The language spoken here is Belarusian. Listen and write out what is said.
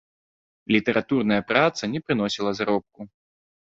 Літаратурная праца не прыносіла заробку.